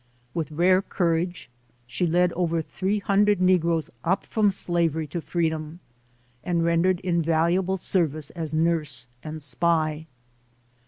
With rare courage, she led over 300 Negroes up from slavery to freedom, and rendered invalu able service as nurse and spy.